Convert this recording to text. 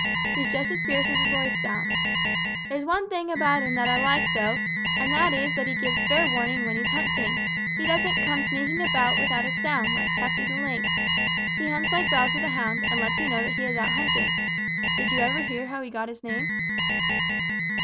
He's just as fierce as his voice sounds. There is one thing about him that I like, though, and that is that he gives fair warning when he is hunting. He doesn't come sneaking about without a sound, like Tufty the Lynx. He hunts like Bowser the Hound and lets you know that he is out hunting. Did you ever hear how he got his name?"